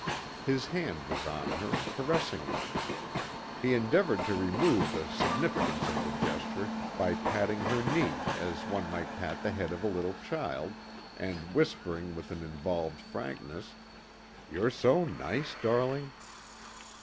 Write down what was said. His hand was on her, caressingly. He endeavored to remove the significance of the gesture by patting her knee as one might pat the head of a little child, and whispering with an involved frankness: "You're so nice, darling."